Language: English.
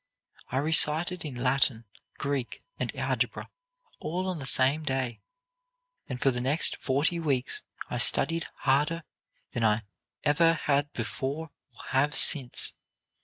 I recited in Latin, Greek, and algebra, all on the same day, and for the next forty weeks I studied harder than I ever had before or have since.